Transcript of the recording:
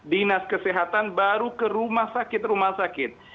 dinas kesehatan baru ke rumah sakit rumah sakit